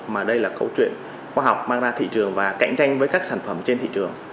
mà đây là câu chuyện khoa học mang ra thị trường và cạnh tranh với các sản phẩm trên thị trường